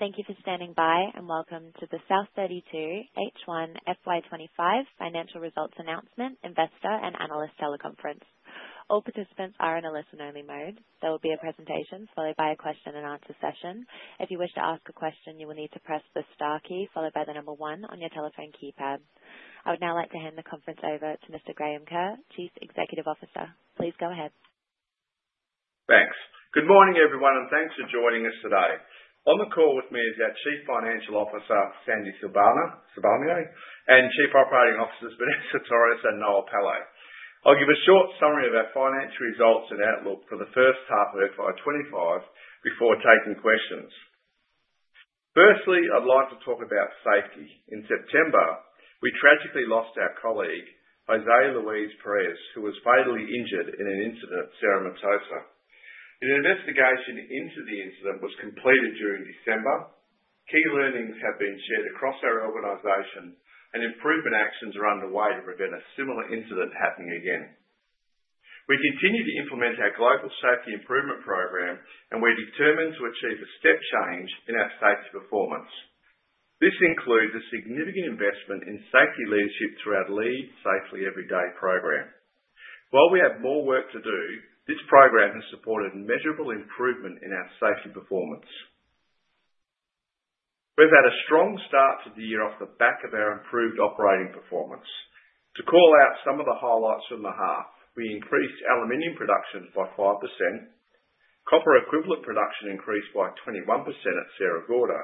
Thank you for standing by, and welcome to the South32 H1 FY25 Financial Results Announcement Investor and Analyst Teleconference. All participants are in a listen-only mode. There will be a presentation followed by a question-and-answer session. If you wish to ask a question, you will need to press the star key followed by the number one on your telephone keypad. I would now like to hand the conference over to Mr. Graham Kerr, Chief Executive Officer. Please go ahead. Thanks. Good morning, everyone, and thanks for joining us today. On the call with me is our Chief Financial Officer, Sandy Sibenaler, and Chief Operating Officers, Vanessa Torres and Noel Pillay. I'll give a short summary of our financial results and outlook for the first half of 2025 before taking questions. Firstly, I'd like to talk about safety. In September, we tragically lost our colleague, José Luis Pérez, who was fatally injured in an incident at Cerro Matoso. An investigation into the incident was completed during December. Key learnings have been shared across our organization, and improvement actions are underway to prevent a similar incident happening again. We continue to implement our global Safety Improvement Program, and we're determined to achieve a step change in our safety performance. This includes a significant investment in safety leadership through our LEAD Safely Every Day program. While we have more work to do, this program has supported measurable improvement in our safety performance. We've had a strong start to the year off the back of our improved operating performance. To call out some of the highlights from the half, we increased aluminium production by 5%, copper equivalent production increased by 21% at Sierra Gorda.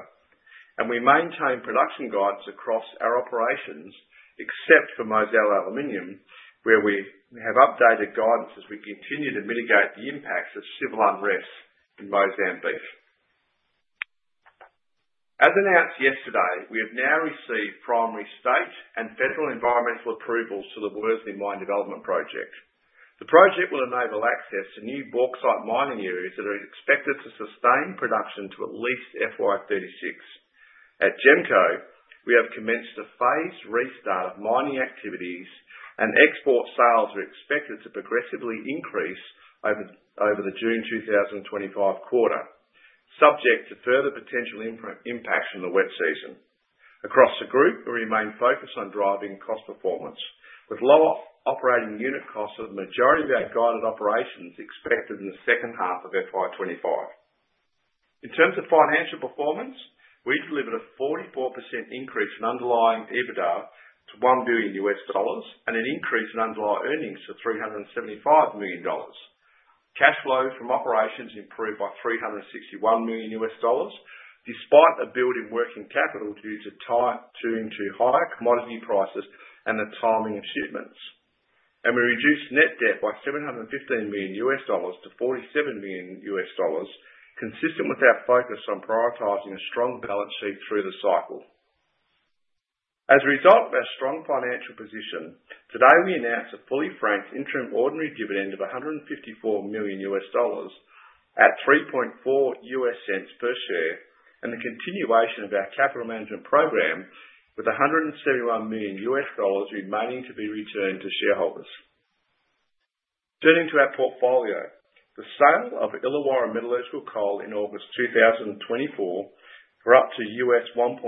And we maintain production guidance across our operations except for Mozal Aluminium, where we have updated guidance as we continue to mitigate the impacts of civil unrest in Mozambique. As announced yesterday, we have now received primary state and federal environmental approvals for the Worsley Mine Development Project. The project will enable access to new bauxite mining areas that are expected to sustain production to at least FY36. At GEMCO, we have commenced a phased restart of mining activities, and export sales are expected to progressively increase over the June 2025 quarter, subject to further potential impacts from the wet season. Across the Group, we remain focused on driving cost performance, with lower operating unit costs for the majority of our guided operations expected in the second half of FY25. In terms of financial performance, we delivered a 44% increase in underlying EBITDA to $1 billion and an increase in underlying earnings to $375 million. Cash flow from operations improved by $361 million, despite a build in working capital due to tying to higher commodity prices and the timing of shipments. And we reduced net debt by $715 million to $47 million, consistent with our focus on prioritizing a strong balance sheet through the cycle. As a result of our strong financial position, today we announce a fully franked interim ordinary dividend of $154 million at $0.034 per share and the continuation of our capital management program with $171 million remaining to be returned to shareholders. Turning to our portfolio, the sale of Illawarra Metallurgical Coal in August 2024 for up to $1.65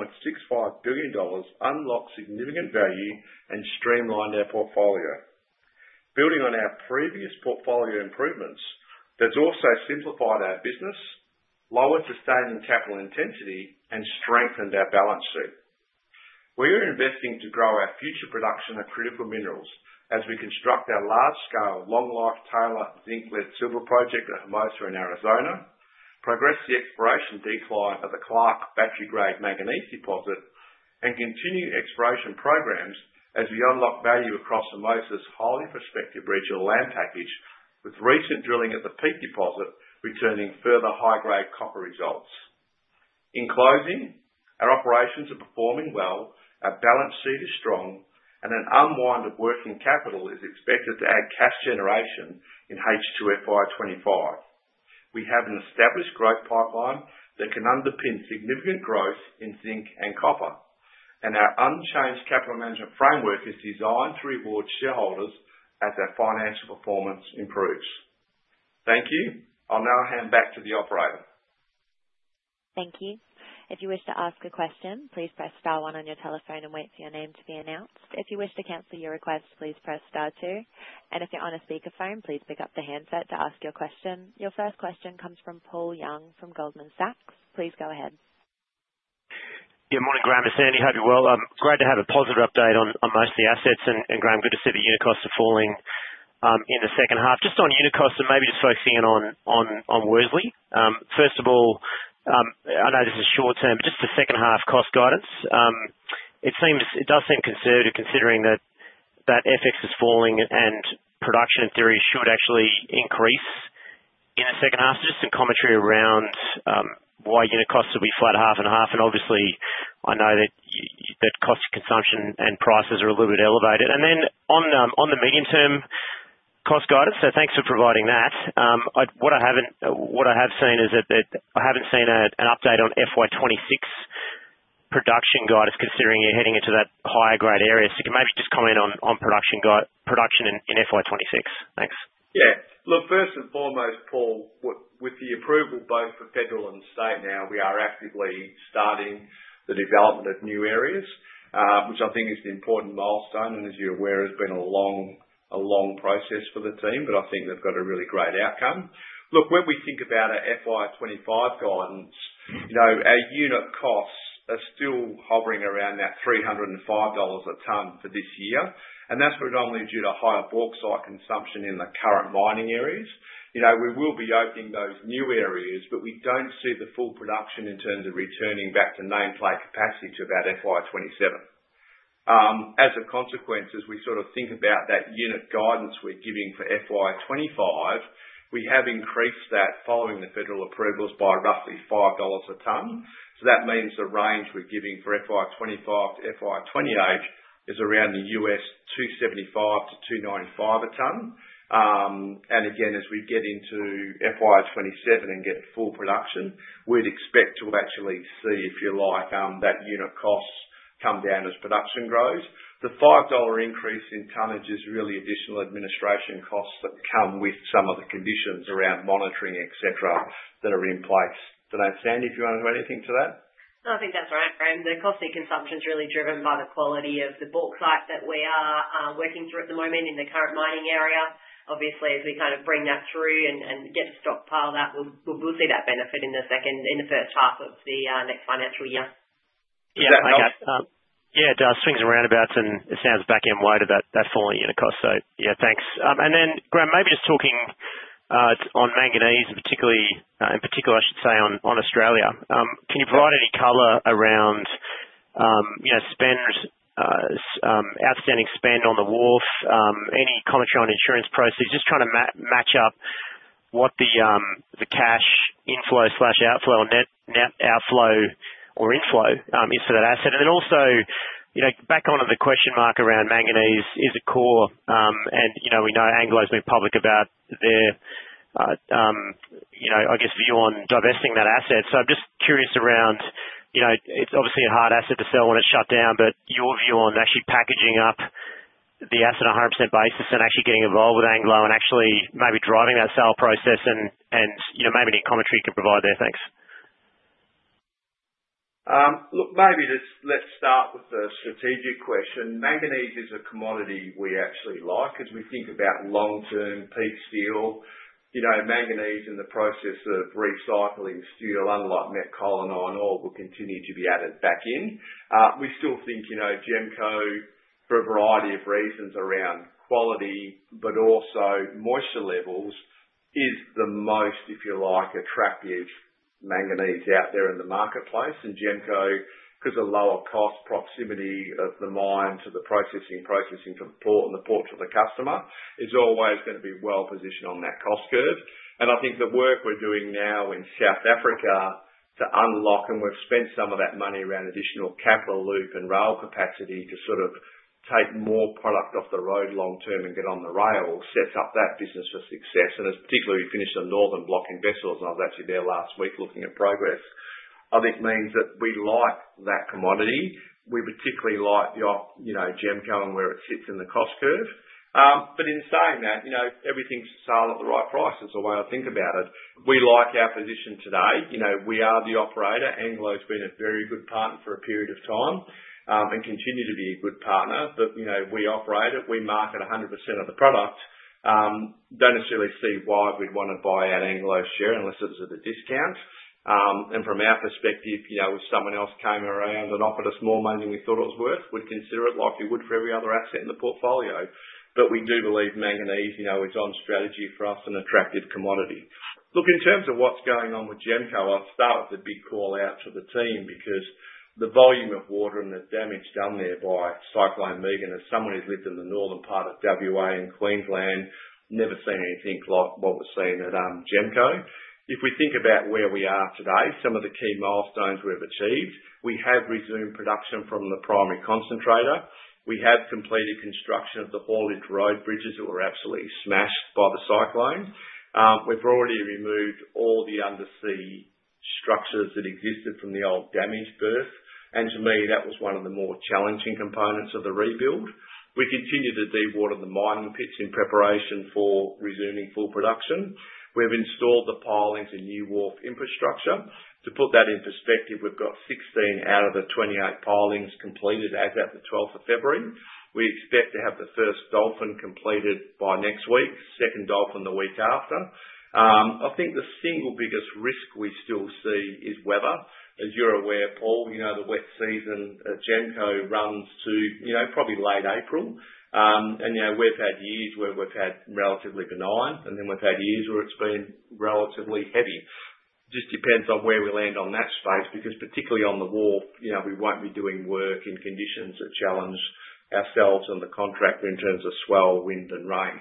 billion unlocked significant value and streamlined our portfolio. Building on our previous portfolio improvements, that's also simplified our business, lowered sustaining capital intensity, and strengthened our balance sheet. We are investing to grow our future production of critical minerals as we construct our large-scale long-life tailored zinc lead silver project at Hermosa in Arizona, progress the exploration decline of the Clark battery-grade manganese deposit, and continue exploration programs as we unlock value across Hermosa's highly prospective regional land package with recent drilling at the Peake deposit returning further high-grade copper results. In closing, our operations are performing well, our balance sheet is strong, and an unwind of working capital is expected to add cash generation in H2 FY25. We have an established growth pipeline that can underpin significant growth in zinc and copper, and our unchanged capital management framework is designed to reward shareholders as our financial performance improves. Thank you. I'll now hand back to the operator. Thank you. If you wish to ask a question, please press star one on your telephone and wait for your name to be announced. If you wish to cancel your request, please press star two. And if you're on a speakerphone, please pick up the handset to ask your question. Your first question comes from Paul Young from Goldman Sachs. Please go ahead. Good morning, Graham. It's Sandy. Hope you're well. I'm glad to have a positive update on most of the assets, and Graham, good to see the unit costs are falling in the second half. Just on unit costs and maybe just focusing in on Worsley. First of all, I know this is short term, but just the second half cost guidance. It does seem conservative considering that FX is falling and production, in theory, should actually increase in the second half. So just some commentary around why unit costs will be flat at half and half. And obviously, I know that cost consumption and prices are a little bit elevated. And then on the medium-term cost guidance, so thanks for providing that. What I have seen is that I haven't seen an update on FY26 production guidance considering you're heading into that higher-grade area. So, can you maybe just comment on production in FY26? Thanks. Yeah. Look, first and foremost, Paul, with the approval both for federal and state now, we are actively starting the development of new areas, which I think is an important milestone, and as you're aware, it's been a long process for the team, but I think they've got a really great outcome. Look, when we think about our FY25 guidance, our unit costs are still hovering around that $305 a tonne for this year, and that's predominantly due to higher bauxite consumption in the current mining areas. We will be opening those new areas, but we don't see the full production in terms of returning back to nameplate capacity to about FY27. As a consequence, as we sort of think about that unit guidance we're giving for FY25, we have increased that following the federal approvals by roughly $5 a tonne. So that means the range we're giving for FY25 to FY28 is around the $275 to 295 a tonne. And again, as we get into FY27 and get full production, we'd expect to actually see, if you like, that unit costs come down as production grows. The $5 increase in tonnage is really additional administration costs that come with some of the conditions around monitoring, et cetera, that are in place. Sandy, do you want to add anything to that? No, I think that's all right, Graham. The cost consumption's really driven by the quality of the bauxite that we are working through at the moment in the current mining area. Obviously, as we kind of bring that through and get the stockpiled up, we'll see that benefit in the first half of the next financial year. Yeah, it does swing some roundabouts, and it sounds back end weight of that falling unit cost. So yeah, thanks. And then, Graham, maybe just talking on manganese, and particularly, in particular, I should say, on Australia. Can you provide any color around outstanding spend on the wharf? Any commentary on insurance process? Just trying to match up what the cash inflow/outflow or net outflow or inflow is for that asset. And then also back onto the question mark around manganese is a core. And we know Anglo's been public about their, I guess, view on divesting that asset. So I'm just curious around, it's obviously a hard asset to sell when it's shut down, but your view on actually packaging up the asset on a 100% basis and actually getting involved with Anglo and actually maybe driving that sale process? And maybe any commentary you can provide there. Thanks. Look, maybe let's start with the strategic question. Manganese is a commodity we actually like as we think about long-term peak steel. Manganese in the process of recycling steel, unlike metallurgical coal, will continue to be added back in. We still think GEMCO, for a variety of reasons around quality but also moisture levels, is the most, if you like, attractive manganese out there in the marketplace, and GEMCO, because of lower cost proximity of the mine to the processing, processing to the port, and the port to the customer, is always going to be well positioned on that cost curve, and I think the work we're doing now in South Africa to unlock, and we've spent some of that money around additional capital loop and rail capacity to sort of take more product off the road long term and get on the rail, sets up that business for success. It's particularly we finished a northern block in Wessels, and I was actually there last week looking at progress. I think it means that we like that commodity. We particularly like GEMCO and where it sits in the cost curve. In saying that, everything's for sale at the right price is the way I think about it. We like our position today. We are the operator. Anglo's been a very good partner for a period of time and continue to be a good partner. We operate it. We market 100% of the product. Don't necessarily see why we'd want to buy out Anglo's share unless it was at a discount. From our perspective, if someone else came around and offered us more money than we thought it was worth, we'd consider it like we would for every other asset in the portfolio. But we do believe manganese is on strategy for us and attractive commodity. Look, in terms of what's going on with GEMCO, I'll start with the big call out to the team because the volume of water and the damage done there by Cyclone Megan, as someone who's lived in the northern part of WA and Queensland, never seen anything like what we've seen at GEMCO. If we think about where we are today, some of the key milestones we've achieved, we have resumed production from the primary concentrator. We have completed construction of the haulage road bridges that were absolutely smashed by the cyclones. We've already removed all the undersea structures that existed from the old damage berth. And to me, that was one of the more challenging components of the rebuild. We continue to dewater the mining pits in preparation for resuming full production. We've installed the pilings in new wharf infrastructure. To put that in perspective, we've got 16 out of the 28 pilings completed as of the 12th of February. We expect to have the first dolphin completed by next week, second dolphin the week after. I think the single biggest risk we still see is weather. As you're aware, Paul, the wet season at GEMCO runs to probably late April, and we've had years where we've had relatively benign, and then we've had years where it's been relatively heavy. Just depends on where we land on that space because particularly on the wharf, we won't be doing work in conditions that challenge ourselves and the contractor in terms of swell, wind, and rain.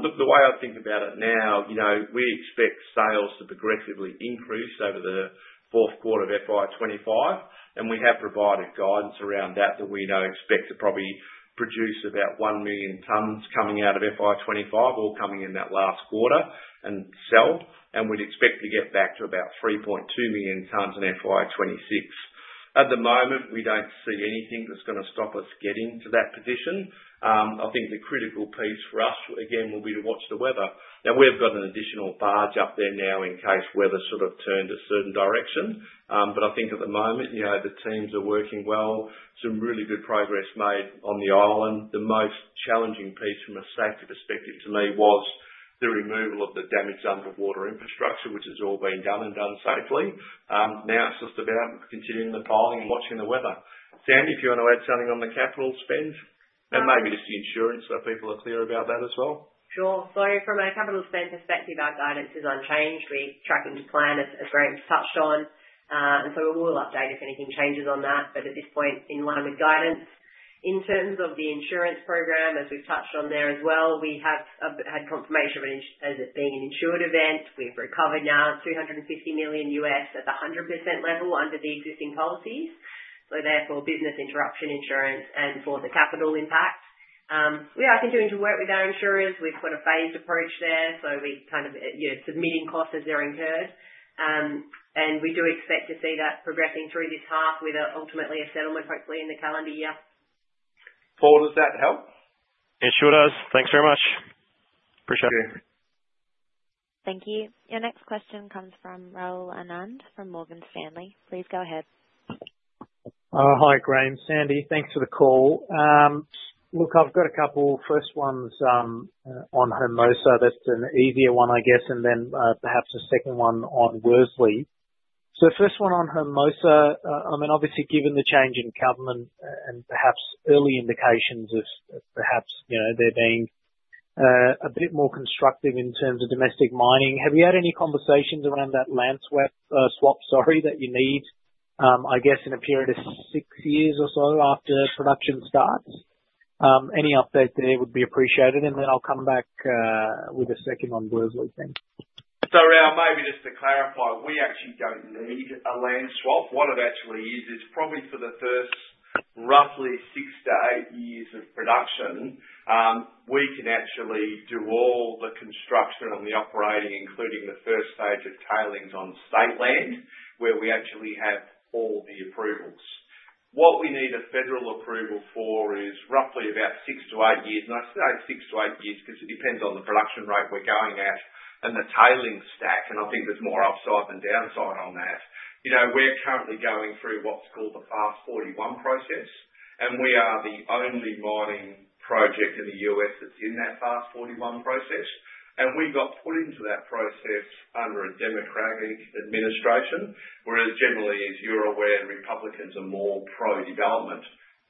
Look, the way I think about it now, we expect sales to progressively increase over the Q4 of FY25. And we have provided guidance around that we now expect to probably produce about one million tonnes coming out of FY25 or coming in that last quarter and sell. And we'd expect to get back to about 3.2 million tonnes in FY26. At the moment, we don't see anything that's going to stop us getting to that position. I think the critical piece for us, again, will be to watch the weather. Now, we've got an additional barge up there now in case weather sort of turns a certain direction. But I think at the moment, the teams are working well. Some really good progress made on the island. The most challenging piece from a safety perspective to me was the removal of the damaged underwater infrastructure, which has all been done and done safely. Now it's just about continuing the piling and watching the weather. Sandy, if you want to add something on the capital spend and maybe just the insurance so people are clear about that as well? Sure. So from a capital spend perspective, our guidance is unchanged. We're tracking the plan, as Graham's touched on. And so we will update if anything changes on that. But at this point, in line with guidance. In terms of the insurance program, as we've touched on there as well, we have had confirmation of it as it being an insured event. We've recovered now $250 million at the 100% level under the existing policies. So therefore, business interruption insurance and for the capital impact. We are continuing to work with our insurers. We've got a phased approach there. So we're kind of submitting costs as they're incurred. And we do expect to see that progressing through this half with ultimately a settlement hopefully in the calendar year. Paul, does that help? It sure does. Thanks very much. Appreciate it. Thank you. Your next question comes from Rahul Anand from Morgan Stanley. Please go ahead. Hi, Graham, Sandy, thanks for the call. Look, I've got a couple first ones on Hermosa. That's an easier one, I guess, and then perhaps a second one on Worsley. So first one on Hermosa, I mean, obviously given the change in government and perhaps early indications of perhaps there being a bit more constructive in terms of domestic mining, have you had any conversations around that land swap, sorry, that you need, I guess, in a period of six years or so after production starts? Any update there would be appreciated. And then I'll come back with a second on Worsley. Thanks. Rahul, maybe just to clarify, we actually don't need a land swap. What it actually is, is probably for the first roughly six-to-eight years of production, we can actually do all the construction on the operating, including the first stage of tailings on state land where we actually have all the approvals. What we need a federal approval for is roughly about six-to-eight years. I say six-to-eight years because it depends on the production rate we're going at and the tailings stack. I think there's more upside than downside on that. We're currently going through what's called the FAST-41 process. We are the only mining project in the U.S. that's in that FAST-41 process. We got put into that process under a Democratic administration, whereas generally, as you're aware, Republicans are more pro-development.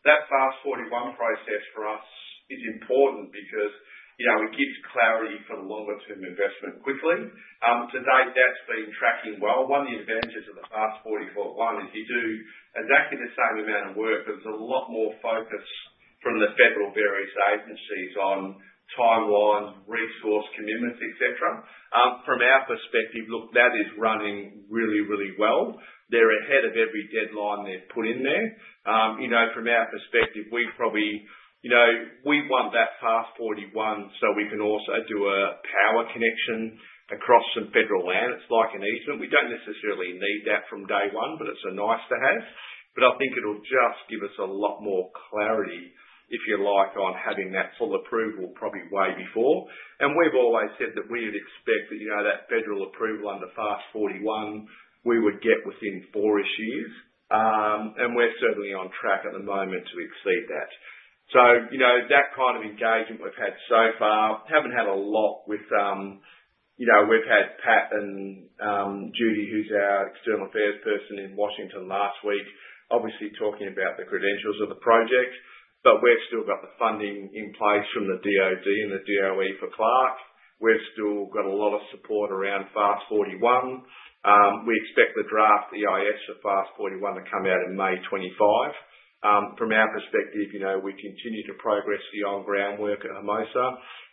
That FAST-41 process for us is important because it gives clarity for longer-term investment quickly. To date, that's been tracking well. One of the advantages of the FAST-41 is you do exactly the same amount of work, but there's a lot more focus from the various federal agencies on timelines, resources, commitments, et cetera. From our perspective, look, that is running really, really well. They're ahead of every deadline they've put in there. From our perspective, we want that FAST-41 so we can also do a power connection across some federal land. It's like an easement. We don't necessarily need that from day one, but it's nice to have. But I think it'll just give us a lot more clarity, if you like, on having that full approval probably way before. We've always said that we would expect that federal approval under FAST-41 we would get within four-ish years. We're certainly on track at the moment to exceed that. That kind of engagement we've had so far. We haven't had a lot, but we've had Pat and Judy, who's our external affairs person in Washington last week, obviously talking about the credentials of the project. We've still got the funding in place from the DOD and the DOE for Clark. We've still got a lot of support around FAST-41. We expect the draft EIS for FAST-41 to come out in May 2025. From our perspective, we continue to progress the on-groundwork at Hermosa.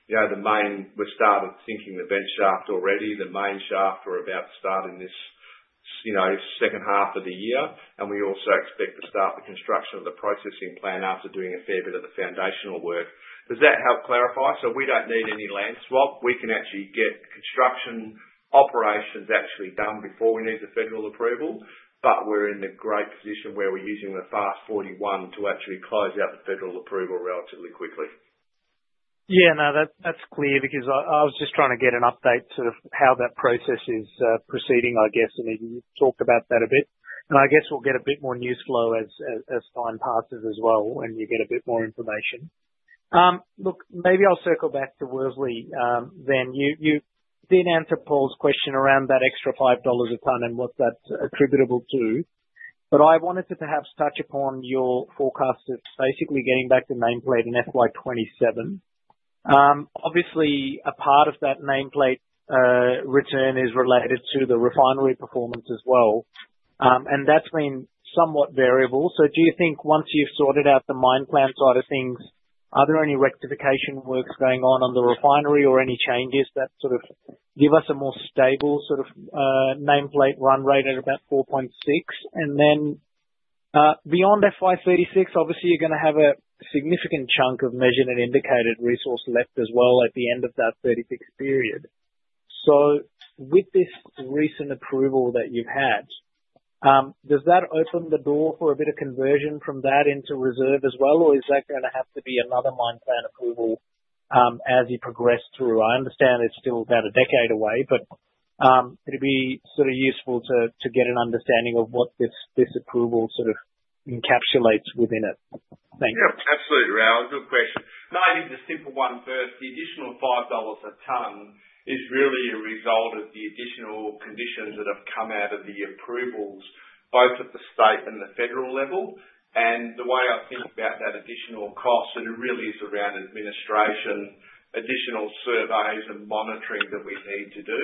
We started sinking the vent shaft already. The main shaft we're about to start in this second half of the year. And we also expect to start the construction of the processing plant after doing a fair bit of the foundational work. Does that help clarify? So we don't need any land swap. We can actually get construction operations actually done before we need the federal approval. But we're in a great position where we're using the FAST-41 to actually close out the federal approval relatively quickly. Yeah, no, that's clear because I was just trying to get an update to how that process is proceeding, I guess. And you talked about that a bit. And I guess we'll get a bit more news flow as time passes as well when you get a bit more information. Look, maybe I'll circle back to Worsley then. You did answer Paul's question around that extra $5 a tonne and what that's attributable to. But I wanted to perhaps touch upon your forecast of basically getting back to nameplate in FY27. Obviously, a part of that nameplate return is related to the refinery performance as well. And that's been somewhat variable. So do you think once you've sorted out the mine plan side of things, are there any rectification works going on on the refinery or any changes that sort of give us a more stable sort of nameplate run rate at about 4.6? And then beyond FY36, obviously, you're going to have a significant chunk of measured and indicated resource left as well at the end of that 36 period. So, with this recent approval that you've had, does that open the door for a bit of conversion from that into reserve as well, or is that going to have to be another mine plan approval as you progress through? I understand it's still about a decade away, but it'd be sort of useful to get an understanding of what this approval sort of encapsulates within it. Thanks. Yeah, absolutely, Rahul. Good question. Maybe the simple one first. The additional $5 a tonne is really a result of the additional conditions that have come out of the approvals, both at the state and the federal level, and the way I think about that additional cost, it really is around administration, additional surveys and monitoring that we need to do,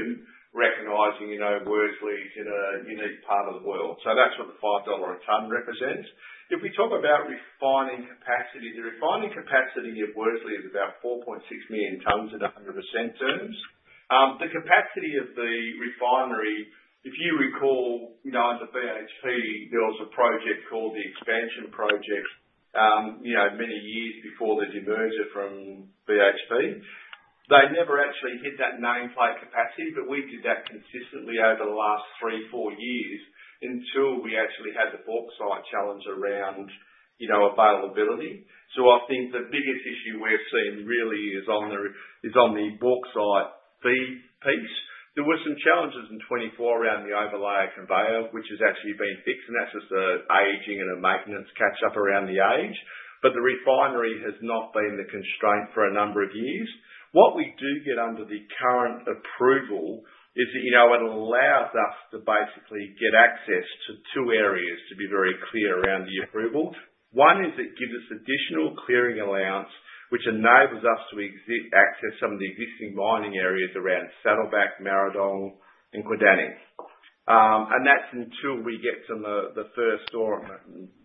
recognizing Worsley is in a unique part of the world, so that's what the $5 a tonne represents. If we talk about refining capacity, the refining capacity of Worsley is about 4.6 million tonnes in 100% terms. The capacity of the refinery, if you recall, under BHP, there was a project called the Expansion Project many years before the demerger from BHP. They never actually hit that nameplate capacity, but we did that consistently over the last three, four years until we actually had the bauxite challenge around availability. So I think the biggest issue we've seen really is on the bauxite feed piece. There were some challenges in 2024 around the overland conveyor, which has actually been fixed. And that's just an aging and a maintenance catch-up around the age. But the refinery has not been the constraint for a number of years. What we do get under the current approval is that it allows us to basically get access to two areas, to be very clear around the approval. One is it gives us additional clearing allowance, which enables us to access some of the existing mining areas around Saddleback, Marradong, and Quindanning. And that's until we get to the first or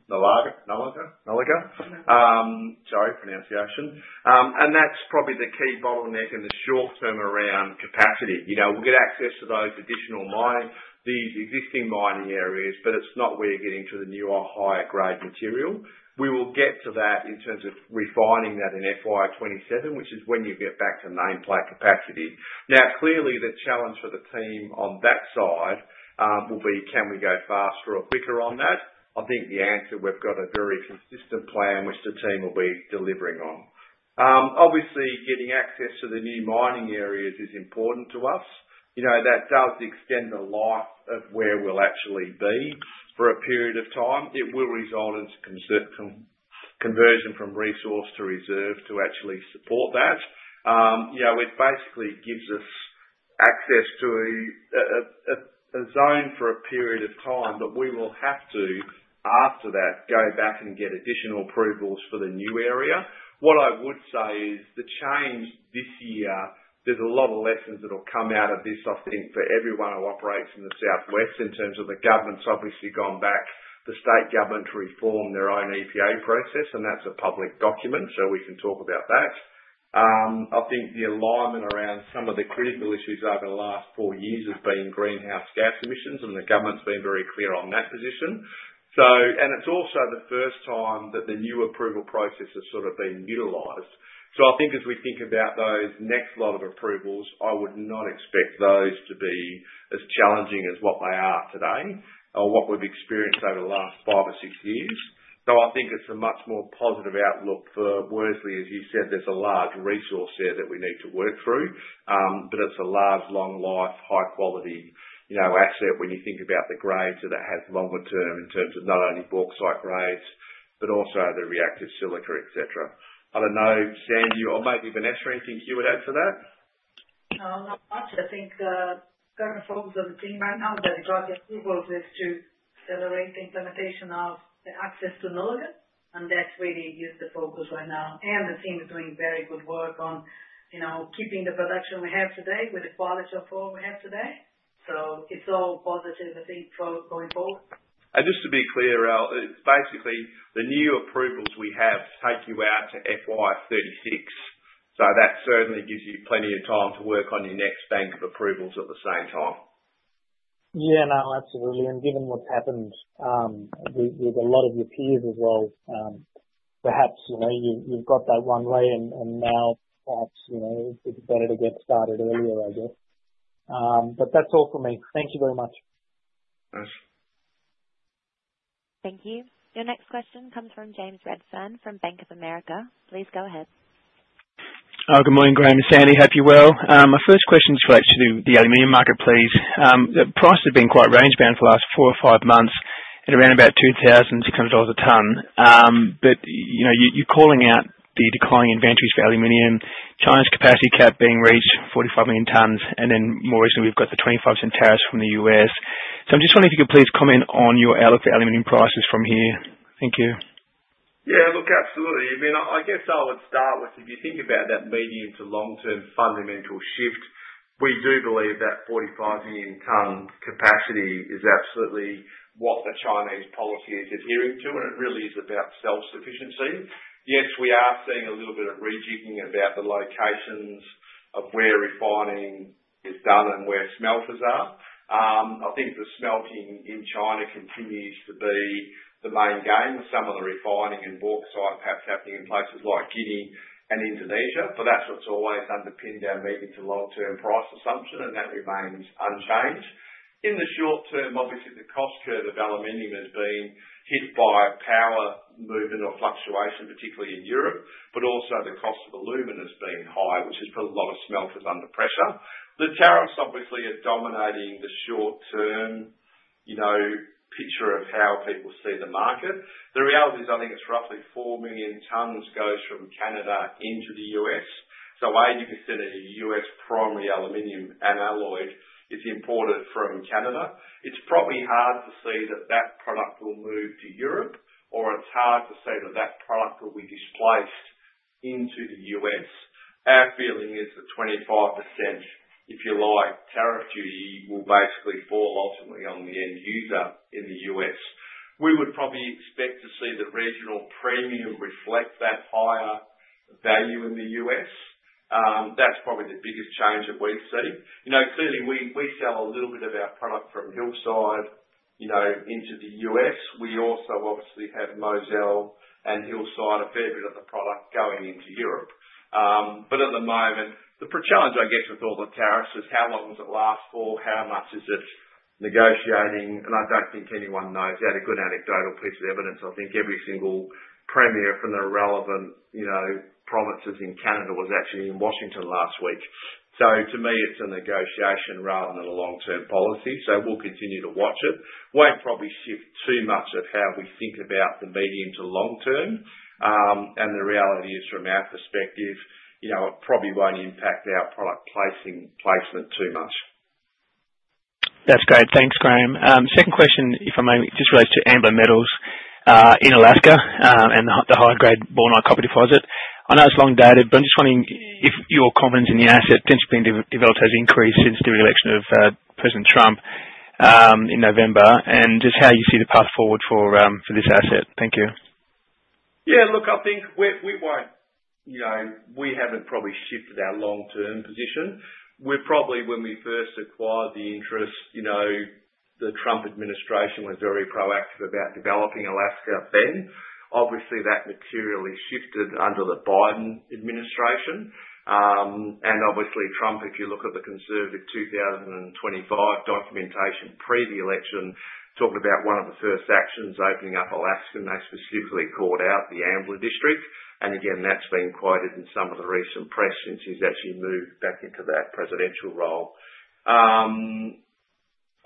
Nullaga. Sorry, pronunciation. And that's probably the key bottleneck in the short term around capacity. We'll get access to those additional mining, these existing mining areas, but it's not where you're getting to the newer higher-grade material. We will get to that in terms of refining that in FY27, which is when you get back to nameplate capacity. Now, clearly, the challenge for the team on that side will be, can we go faster or quicker on that? I think the answer, we've got a very consistent plan, which the team will be delivering on. Obviously, getting access to the new mining areas is important to us. That does extend the life of where we'll actually be for a period of time. It will result in conversion from resource to reserve to actually support that. It basically gives us access to a zone for a period of time, but we will have to, after that, go back and get additional approvals for the new area. What I would say is the change this year. There's a lot of lessons that will come out of this, I think, for everyone who operates in the Southwest in terms of the government's obviously gone back. The state government reformed their own EPA process, and that's a public document, so we can talk about that. I think the alignment around some of the critical issues over the last four years has been greenhouse gas emissions, and the government's been very clear on that position, and it's also the first time that the new approval process has sort of been utilized. So I think as we think about those next lot of approvals, I would not expect those to be as challenging as what they are today or what we've experienced over the last five or six years. So I think it's a much more positive outlook for Worsley. As you said, there's a large resource there that we need to work through, but it's a large, long-life, high-quality asset when you think about the grades that it has longer term in terms of not only bulk site grades, but also the reactive silica, et cetera. I don't know, Sandy or maybe Vanessa, anything you would add to that? No, not much. I think current focus of the team right now, the draft approvals, is to accelerate the implementation of the access to Nanga, and that's really the focus right now, and the team is doing very good work on keeping the production we have today with the quality of ore we have today. So it's all positive, I think, for going forward. And just to be clear, Rahul, basically, the new approvals we have take you out to FY36. So that certainly gives you plenty of time to work on your next bank of approvals at the same time. Yeah, no, absolutely. And given what's happened with a lot of your peers as well, perhaps you've got that one way. And now, perhaps it's better to get started earlier, I guess. But that's all for me. Thank you very much. Thank you. Your next question comes from James Redfern from Bank of America. Please go ahead. Good morning, Graham and Sandy, hope you're well. My first question is for the aluminium market, please. The price has been quite rangebound for the last four or five months at around about $2,600 a tonne. But you're calling out the declining inventories for aluminium, China's capacity cap being reached, 45 million tonnes, and then more recently, we've got the 25% tariffs from the U.S. So I'm just wondering if you could please comment on your outlook for aluminium prices from here. Thank you. Yeah, look, absolutely. I mean, I guess I would start with, if you think about that medium to long-term fundamental shift, we do believe that 45 million tonne capacity is absolutely what the Chinese policy is adhering to, and it really is about self-sufficiency. Yes, we are seeing a little bit of rejigging about the locations of where refining is done and where smelters are. I think the smelting in China continues to be the main game, with some of the refining and bauxite perhaps happening in places like Guinea and Indonesia. But that's what's always underpinned our medium to long-term price assumption, and that remains unchanged. In the short term, obviously, the cost curve of aluminum has been hit by power movement or fluctuation, particularly in Europe, but also the cost of aluminum has been high, which has put a lot of smelters under pressure. The tariffs, obviously, are dominating the short-term picture of how people see the market. The reality is, I think it's roughly four million tons goes from Canada into the U.S. So, 80% of the U.S. primary aluminum and alloy is imported from Canada. It's probably hard to see that that product will move to Europe, or it's hard to say that that product will be displaced into the U.S. Our feeling is the 25%, if you like, tariff duty will basically fall ultimately on the end user in the U.S. We would probably expect to see the regional premium reflect that higher value in the U.S. That's probably the biggest change that we see. Clearly, we sell a little bit of our product from Hillside into the U.S. We also obviously have Mozal and Hillside a fair bit of the product going into Europe. But at the moment, the challenge, I guess, with all the tariffs is how long does it last for? How much is it negotiating? And I don't think anyone knows that. A good anecdotal piece of evidence, I think every single premier from the relevant provinces in Canada was actually in Washington last week. So to me, it's a negotiation rather than a long-term policy. So we'll continue to watch it. We won't probably shift too much of how we think about the medium to long term. And the reality is, from our perspective, it probably won't impact our product placement too much. That's great. Thanks, Graham. Second question, if I may, just relates to Ambler Metals in Alaska and the high-grade Bornite copper deposit. I know it's long-dated, but I'm just wondering if your confidence in the asset potentially being developed has increased since the re-election of President Trump in November, and just how you see the path forward for this asset. Thank you. Yeah, look, I think we won't. We haven't probably shifted our long-term position. We're probably, when we first acquired the interest, the Trump administration was very proactive about developing Alaska then. Obviously, that material is shifted under the Biden administration. And obviously, Trump, if you look at the Project 2025 documentation pre-election, talked about one of the first actions opening up Alaska. And they specifically called out the Ambler District. And again, that's been quoted in some of the recent press since he's actually moved back into that presidential role.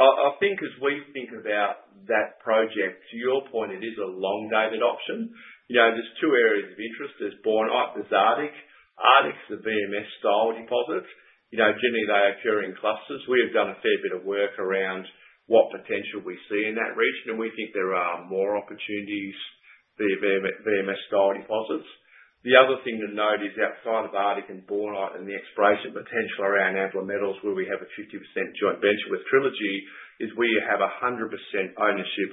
I think as we think about that project, to your point, it is a long-dated option. There's two areas of interest. There's bornite and the Arctic. Arctic's a VMS style deposit. Generally, they occur in clusters. We have done a fair bit of work around what potential we see in that region, and we think there are more opportunities for VMS style deposits. The other thing to note is outside of Arctic and Bornite and the exploration potential around Ambler Metals, where we have a 50% joint venture with Trilogy, is we have 100% ownership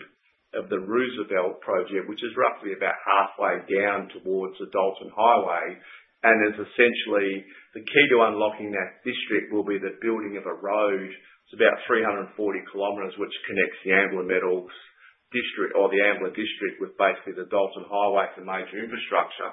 of the Roosevelt project, which is roughly about halfway down towards the Dalton Highway. And essentially, the key to unlocking that district will be the building of a road. It's about 340 km, which connects the Ambler Metals district or the Ambler District with basically the Dalton Highway for major infrastructure.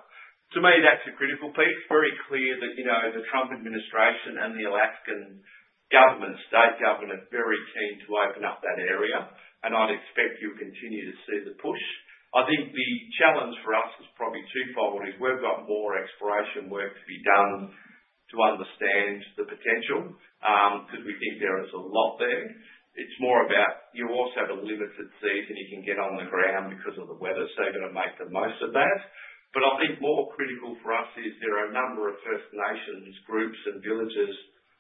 To me, that's a critical piece. Very clear that the Trump administration and the Alaskan government, state government, are very keen to open up that area. And I'd expect you'll continue to see the push. I think the challenge for us is probably twofold. We've got more exploration work to be done to understand the potential because we think there is a lot there. It's more about you also have a limited season you can get on the ground because of the weather, so you've got to make the most of that. But I think more critical for us is there are a number of First Nations Groups and villages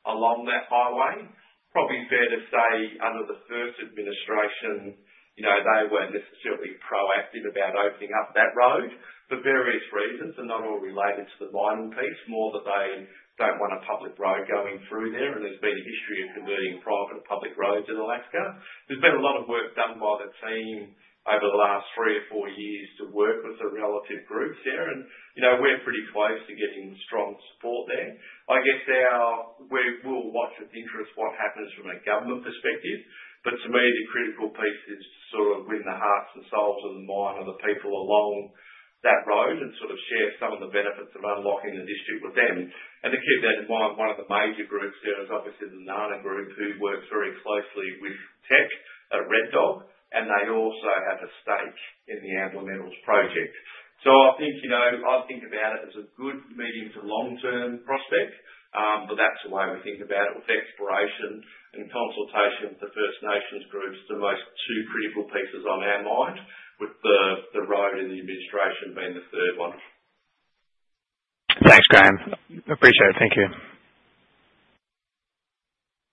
along that highway. Probably fair to say under the first administration, they weren't necessarily proactive about opening up that road for various reasons, and not all related to the mining piece, more that they don't want a public road going through there. And there's been a history of converting private and public roads in Alaska. There's been a lot of work done by the team over the last three or four years to work with the relevant groups there. We're pretty close to getting strong support there. I guess we'll watch with interest what happens from a government perspective. To me, the critical piece is to sort of win the hearts and minds of the people along that road and sort of share some of the benefits of unlocking the district with them. To keep that in mind, one of the major groups there is obviously the NANA Group, who works very closely with Teck at Red Dog. They also have a stake in the Ambler Metals project. I think about it as a good medium- to long-term prospect, but that's the way we think about it. With exploration and consultation with the First Nations groups, the two most critical pieces on our mind, with the road and the administration being the third one. Thanks, Graham. Appreciate it. Thank you.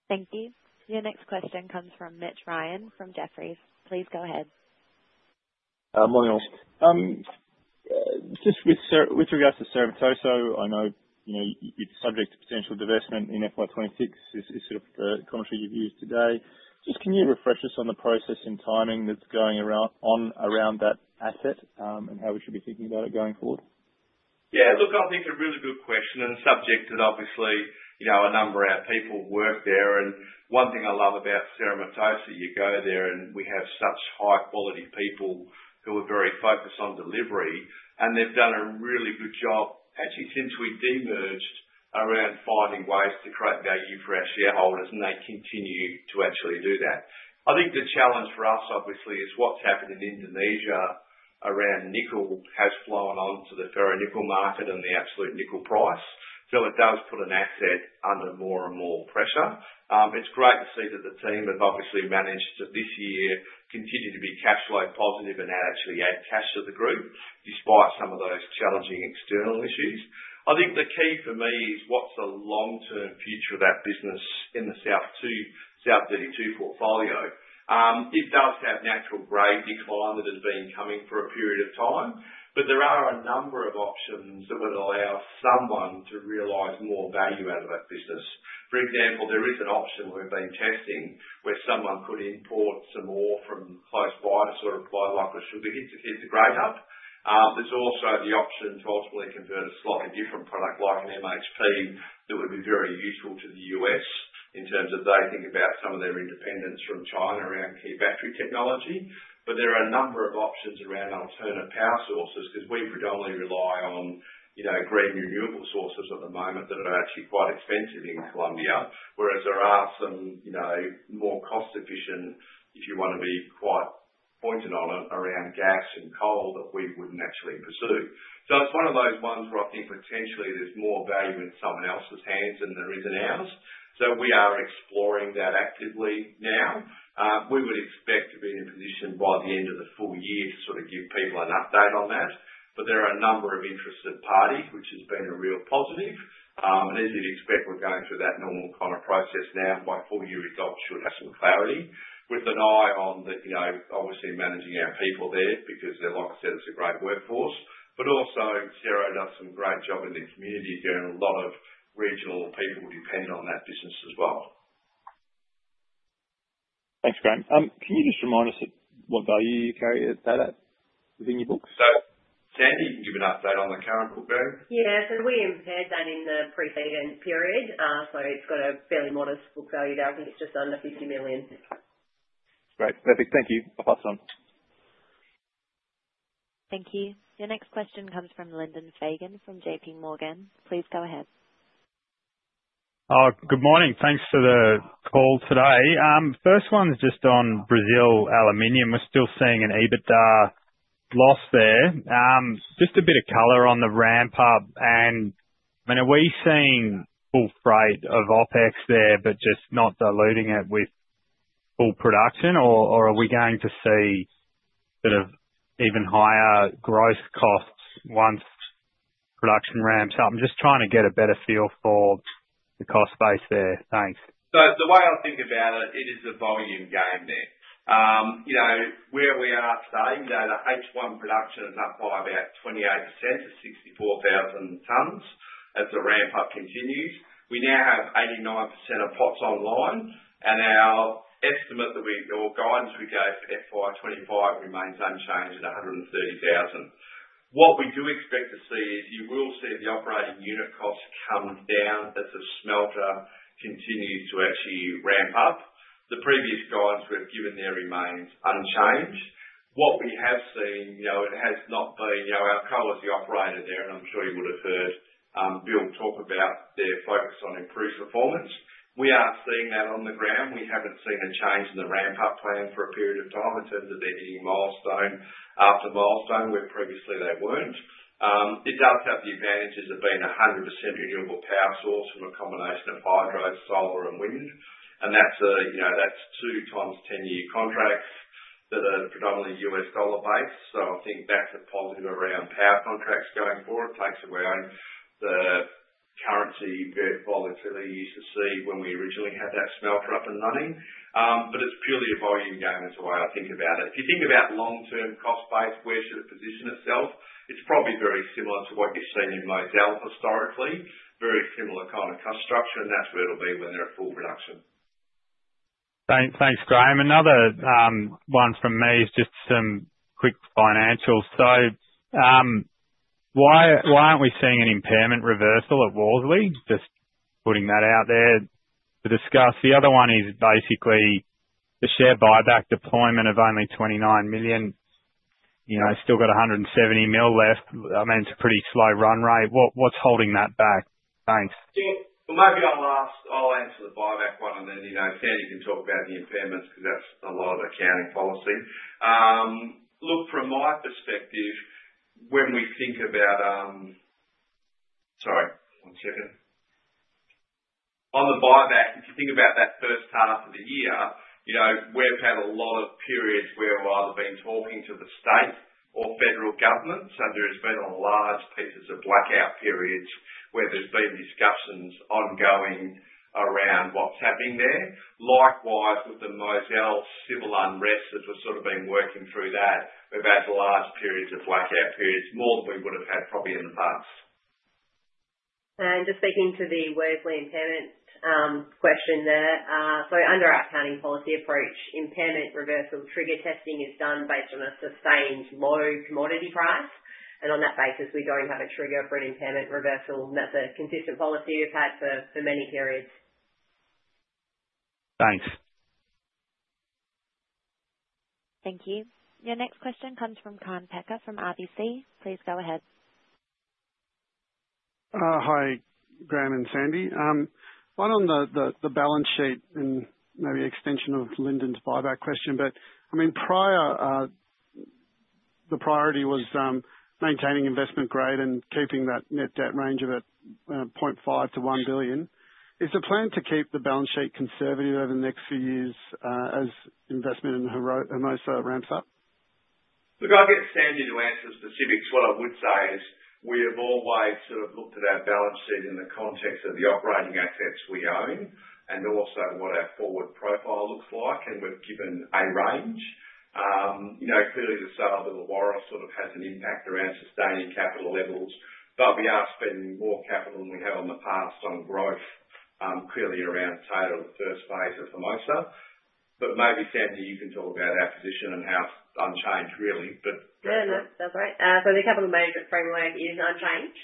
Thank you. Your next question comes from Mitch Ryan from Jefferies. Please go ahead. Morning all. Just with regards to Cerro Matoso, I know it's subject to potential divestment in FY26. It's sort of the commentary you've used today. Just can you refresh us on the process and timing that's going around that asset and how we should be thinking about it going forward? Yeah, look, I think it's a really good question, and subject to, obviously, a number of our people work there. And one thing I love about Cerro Matoso is that you go there and we have such high-quality people who are very focused on delivery. And they've done a really good job, actually, since we de-merged around finding ways to create value for our shareholders, and they continue to actually do that. I think the challenge for us, obviously, is what's happened in Indonesia around nickel has flown on to the ferronickel market and the absolute nickel price. So, it does put an asset under more and more pressure. It's great to see that the team have obviously managed this year to continue to be cash flow positive and actually add cash to the Group despite some of those challenging external issues. I think the key for me is what's the long-term future of that business in the South32 portfolio. It does have natural grade decline that has been coming for a period of time, but there are a number of options that would allow someone to realize more value out of that business. For example, there is an option we've been testing where someone could import some ore from close by to sort of apply like a sugar hit to grade up. There's also the option to ultimately convert to sort of different product like an MHP that would be very useful to the U.S. in terms of they think about some of their independence from China around key battery technology. But there are a number of options around alternative power sources because we predominantly rely on green renewable sources at the moment that are actually quite expensive in Colombia, whereas there are some more cost-efficient, if you want to be quite pointed on it, around gas and coal that we wouldn't actually pursue. So it's one of those ones where I think potentially there's more value in someone else's hands than there is in ours. So we are exploring that actively now. We would expect to be in a position by the end of the full year to sort of give people an update on that. But there are a number of interested parties, which has been a real positive. And as you'd expect, we're going through that normal kind of process now. By full year, we should have some clarity with an eye on, obviously, managing our people there because, like I said, it's a great workforce. But also, Cerro does some great job in the community here, and a lot of regional people depend on that business as well. Thanks, Graham. Can you just remind us what value you carry at that within your books? Sandy, you can give an update on the current book value. Yeah, so we impaired that in the pre-event period. So it's got a fairly modest book value there. I think it's just under $50 million. Great. Perfect. Thank you. I'll pass it on. Thank you. Your next question comes from Lyndon Fagan from J.P. Morgan. Please go ahead. Good morning. Thanks for the call today. First one is just on Brazil Aluminium, we're still seeing an EBITDA loss there. Just a bit of color on the ramp-up. And I mean, are we seeing full weight of OpEx there, but just not diluting it with full production? Or are we going to see sort of even higher gross costs once production ramps up? I'm just trying to get a better feel for the cost base there. Thanks. So the way I think about it, it is a volume game there. Where we are today, the H1 production is up by about 28% at 64,000 tonnes as the ramp-up continues. We now have 89% of pots online, and our estimate or guidance we gave for FY25 remains unchanged at 130,000. What we do expect to see is you will see the operating unit costs come down as the smelter continues to actually ramp up. The previous guidance we've given there remains unchanged. What we have seen is Alcoa is the operator there, and I'm sure you would have heard Bill talk about their focus on improved performance. We are seeing that on the ground. We haven't seen a change in the ramp-up plan for a period of time in terms of their hitting milestone after milestone where previously they weren't. It does have the advantages of being a 100% renewable power source from a combination of hydro, solar, and wind, and that's a two-times 10-year contract that are predominantly US dollar-based, so I think that's a positive around power contracts going forward. It takes away the currency volatility you used to see when we originally had that smelter up and running, but it's purely a volume game is the way I think about it. If you think about long-term cost base, where should it position itself? It's probably very similar to what you've seen in Mozal historically, very similar kind of cost structure, and that's where it'll be when they're at full production. Thanks, Graham. Another one from me is just some quick financials. So why aren't we seeing an impairment reversal at Worsley? Just putting that out there to discuss. The other one is basically the share buyback deployment of only $29 million. Still got $170 million left. I mean, it's a pretty slow run rate. What's holding that back? Thanks. Yeah. Well, maybe I'll answer the buyback one and then Sandy can talk about the impairments because that's a lot of accounting policy. Look, from my perspective, when we think about, sorry, one second. On the buyback, if you think about that first half of the year, we've had a lot of periods where we've either been talking to the state or federal governments, and there have been large pieces of blackout periods where there's been discussions ongoing around what's happening there. Likewise, with the Mozal civil unrest, as we've sort of been working through that, we've had large periods of blackout periods, more than we would have had probably in the past. Just speaking to the Worsley impairment question there, so under our accounting policy approach, impairment reversal trigger testing is done based on a sustained low commodity price. On that basis, we don't have a trigger for an impairment reversal. That's a consistent policy we've had for many periods. Thanks. Thank you. Your next question comes from Kaan Peker from RBC. Please go ahead. Hi, Graham and Sandy. One on the balance sheet and maybe extension of Lyndon's buyback question. But I mean, the priority was maintaining investment grade and keeping that net debt range of $0.5-1 billion. Is the plan to keep the balance sheet conservative over the next few years as investment in Hermosa ramps up? Look, I'll get Sandy to answer specifics. What I would say is we have always sort of looked at our balance sheet in the context of the operating assets we own and also what our forward profile looks like. And we've given a range. Clearly, the sale of the Illawarra sort of has an impact around sustaining capital levels. But we are spending more capital than we have in the past on growth, clearly around the first phase of Hermosa. But maybe Sandy, you can talk about our position and how it's unchanged, really. Yeah, no, that's great. So the capital management framework is unchanged.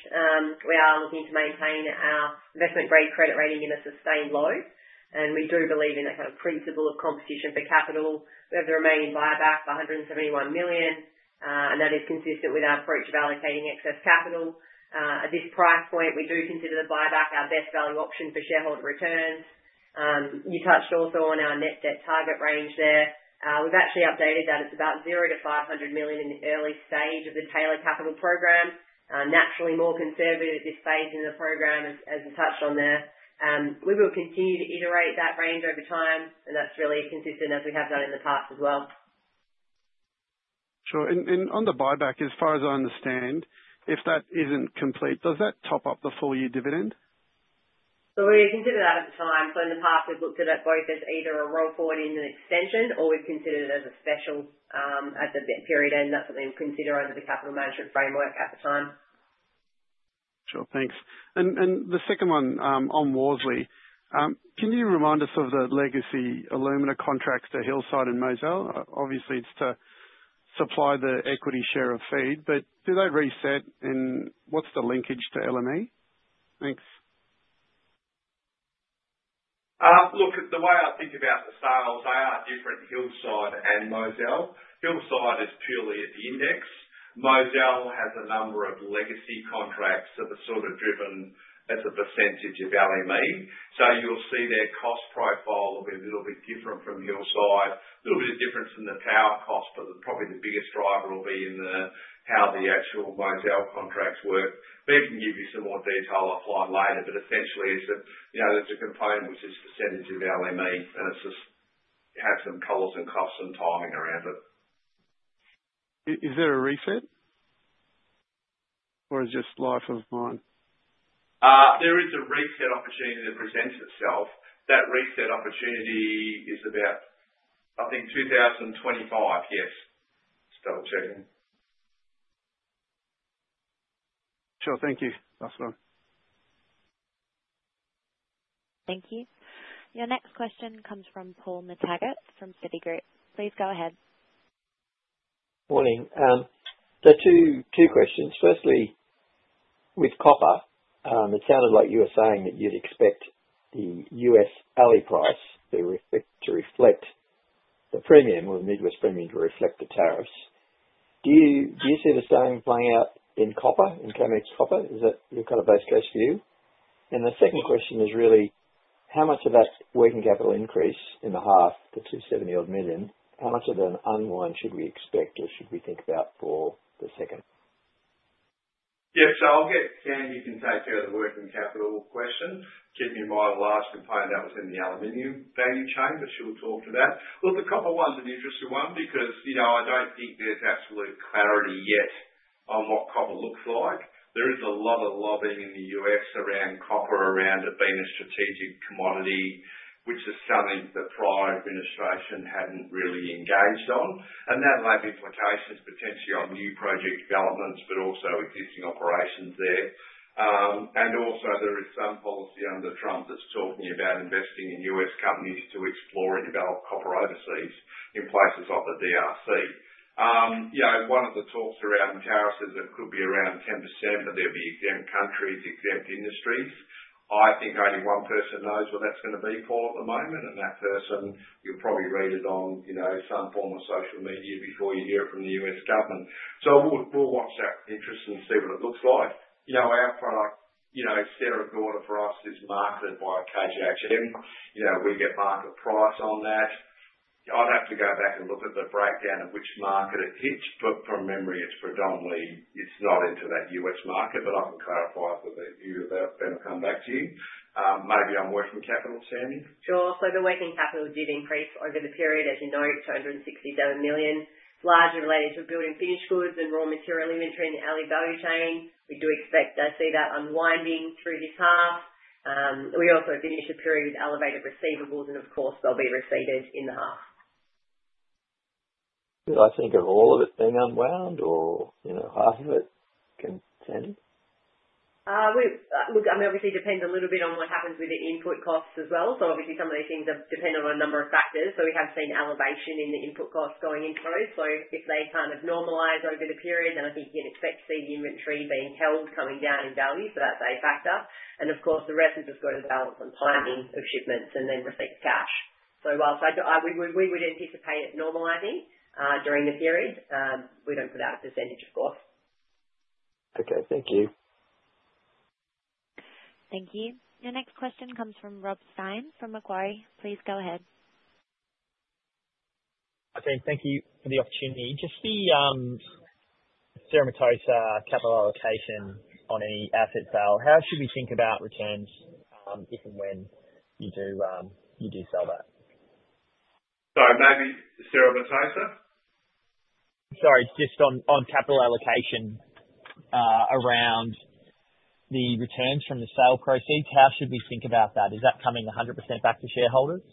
We are looking to maintain our investment grade credit rating in a sustained low. And we do believe in that kind of principle of competition for capital. We have the remaining buyback for $171 million, and that is consistent with our approach of allocating excess capital. At this price point, we do consider the buyback our best value option for shareholder returns. You touched also on our net debt target range there. We've actually updated that. It's about $0-500 million in the early stage of the tailored capital program. Naturally, more conservative at this stage in the program, as you touched on there. We will continue to iterate that range over time, and that's really consistent as we have done in the past as well. Sure. And on the buyback, as far as I understand, if that isn't complete, does that top up the full-year dividend? So we consider that at the time. So in the past, we've looked at it both as either a roll forward in an extension or we've considered it as a special at the period end. That's something we consider under the capital management framework at the time. Sure. Thanks. And the second one on Worsley, can you remind us of the legacy Alumina contracts to Hillside and Mozal? Obviously, it's to supply the equity share of feed. But do they reset, and what's the linkage to LME? Thanks. Look, the way I think about the sales, they are different: Hillside and Mozal. Hillside is purely at the index. Mozal has a number of legacy contracts that are sort of driven as a percentage of LME. So, you'll see their cost profile will be a little bit different from Hillside. A little bit of difference in the power cost, but probably the biggest driver will be in how the actual Mozal contracts work. Maybe I can give you some more detail offline later, but essentially, there's a component which is percentage of LME, and it just has some colors and costs and timing around it. Is there a reset? Or is it just life of mine? There is a reset opportunity that presents itself. That reset opportunity is about, I think, 2025, yes. Just double-checking. Sure. Thank you. That's fine. Thank you. Your next question comes from Paul McTaggart from Citi. Please go ahead. Morning. So two questions. Firstly, with copper, it sounded like you were saying that you'd expect the U.S. LME price to reflect the premium or the Midwest premium to reflect the tariffs. Do you see the same playing out in copper, in COMEX copper? Is that your kind of base case view? And the second question is really, how much of that working capital increase in the half, the $270-odd million, how much of that unwind should we expect or should we think about for the second? Yeah. So I'll get Sandy to take care of the working capital question. She'll be my last component that was in the aluminum value chain, but she'll talk to that. Look, the copper one's an interesting one because I don't think there's absolute clarity yet on what copper looks like. There is a lot of lobbying in the U.S. around copper around it being a strategic commodity, which is something the prior administration hadn't really engaged on. And that will have implications potentially on new project developments, but also existing operations there. And also, there is some policy under Trump that's talking about investing in U.S. companies to explore and develop copper overseas in places off the DRC. One of the talks around tariffs is it could be around 10%, but there'd be exempt countries, exempt industries. I think only one person knows what that's going to be, Paul, at the moment. And that person, you'll probably read it on some form of social media before you hear it from the U.S. government. So, we'll watch that interest and see what it looks like. Our product, Sierra Gorda for us, is marketed by KGHM. We get market price on that. I'd have to go back and look at the breakdown of which market it hits, but from memory, it's not into that U.S. market. But I can clarify for you about that when I come back to you. Maybe on working capital, Sandy? Sure. So the working capital did increase over the period, as you know, to $167 million, largely related to building finished goods and raw material inventory in the Alumina value chain. We do expect to see that unwinding through this half. We also finished the period with elevated receivables, and of course, they'll be received in the half. Do I think of all of it being unwound or half of it? Sandy? Look, I mean, obviously, it depends a little bit on what happens with the input costs as well. So obviously, some of these things depend on a number of factors. So we have seen elevation in the input costs going in close. So if they kind of normalize over the period, then I think you'd expect to see the inventory being held, coming down in value for that very factor. And of course, the rest has just got to balance on timing of shipments and then receipt of cash. So we would anticipate it normalizing during the period. We don't put out a percentage, of course. Okay. Thank you. Thank you. Your next question comes from Rob Stein from Macquarie. Please go ahead. Okay. Thank you for the opportunity. Just the Cerro Matoso capital allocation on any asset sale, how should we think about returns if and when you do sell that? Sorry, maybe the Cerro Matoso? Sorry, just on capital allocation around the returns from the sale proceeds, how should we think about that? Is that coming 100% back to shareholders?